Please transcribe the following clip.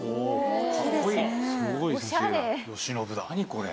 これ。